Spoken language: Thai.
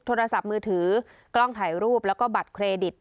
โทรศัพท์มือถือกล้องถ่ายรูปแล้วก็บัตรเครดิต